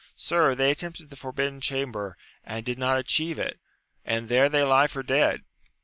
— Sir, they attempted the forbidden chamber, and did not atchieve it, and there they lie for dead